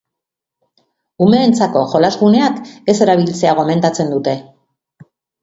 Umeentzako jolas-guneak ez erabiltzea gomendatzen dute.